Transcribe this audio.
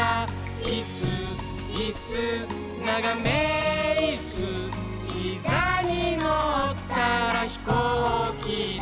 「いっすーいっすーながめいっすー」「ひざにのったらひこうきだ」